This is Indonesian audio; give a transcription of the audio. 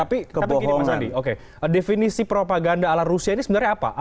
tapi gini mas andi definisi propaganda ala rusia ini sebenarnya apa